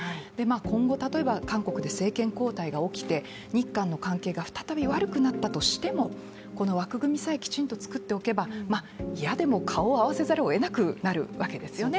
今後、例えば韓国で政権交代が起きて日韓の関係が再び悪くなったとしても、この枠組みさえちゃんと作っておけば嫌でも顔を合わさざるをえなくなるわけですよね。